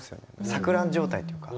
錯乱状態というか。